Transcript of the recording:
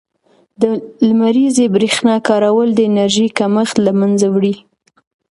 د لمریزې برښنا کارول د انرژۍ کمښت له منځه وړي.